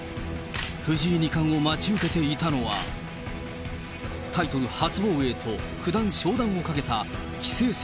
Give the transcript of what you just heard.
藤井二冠を待ち受けていたのは、タイトル初防衛と九段昇段をかけた棋聖戦